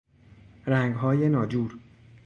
رنگهای ناجور